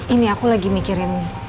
ini aku lagi mikirin